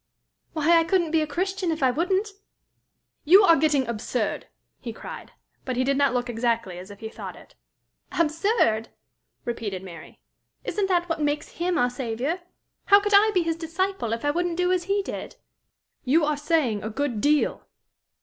"Why, I couldn't be a Christian if I wouldn't!" "You are getting absurd!" he cried. But he did not look exactly as if he thought it. "Absurd!" repeated Mary. "Isn't that what makes him our Saviour? How could I be his disciple, if I wouldn't do as he did?" "You are saying a good deal!"